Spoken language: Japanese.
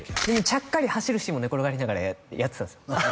ちゃっかり走るシーンも寝っ転がりながらやってたんですよ